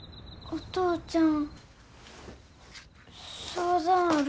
お父ちゃん